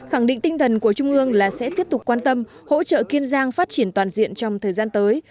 khẳng định tinh thần của trung ương là sẽ tiếp tục quan tâm hỗ trợ kiên giang phát triển toàn diện trong thời gian tới